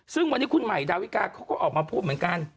ซึ่งวันนี้คุณใหม่ดาวิกาเขาก็ออกมาพูดเหมือนกัน